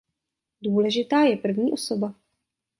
Důležitá je první osoba.